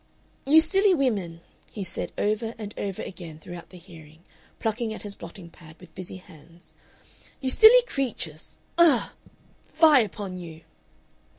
"You silly wimmin," he said over and over again throughout the hearing, plucking at his blotting pad with busy hands. "You silly creatures! Ugh! Fie upon you!"